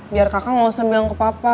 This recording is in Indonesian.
biar kakak gak usah bilang ke papa